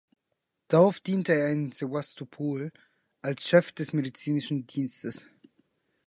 Darauf diente er in Sewastopol als Chef des medizinischen Dienstes.